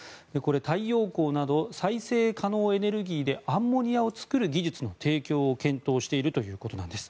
太陽光など再生可能エネルギーでアンモニアを作る技術の提供を検討しているということなんです。